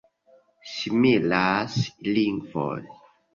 Similas lingvoj.